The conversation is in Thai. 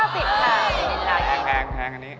แพงอันนี้